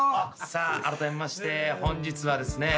あらためまして本日はですね